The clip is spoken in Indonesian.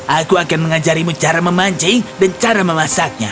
aku akan mengajarimu cara memancing dan cara memasaknya